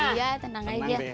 iya tenang aja